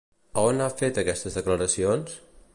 A on ha fet aquestes declaracions?